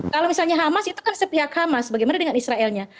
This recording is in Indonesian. kalau misalnya hamas itu kan sepihak hamas bagaimana dengan israelnya